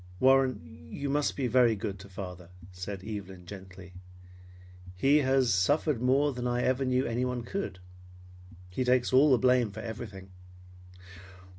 "Warren, you must be very good to father," said Evelyn gently. "He has suffered more than I ever knew anyone could. He takes all the blame for everything."